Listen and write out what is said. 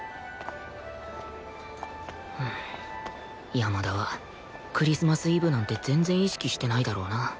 山田はクリスマスイブなんて全然意識してないだろうな